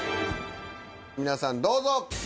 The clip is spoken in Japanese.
皆さんどうぞ。